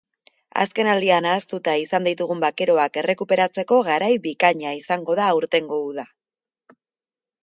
Azkenaldian ahaztuta izan ditugun bakeroak errekuperatzeko garai bikaina izango da aurtengo uda.